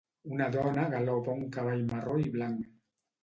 Una dona galopa un cavall marró i blanc.